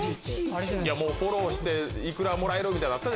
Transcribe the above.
フォローして幾らもらえるみたいのあった。